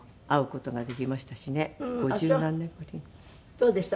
どうでした？